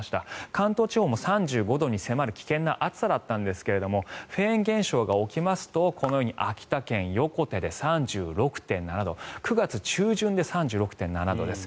関東地方も３５度に迫る危険な暑さだったんですがフェーン現象が起きますとこのように秋田県横手で３６．７度９月中旬で３６．７度です。